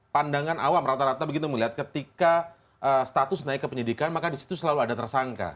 pandangan awam rata rata begitu melihat ketika status naik ke penyidikan maka disitu selalu ada tersangka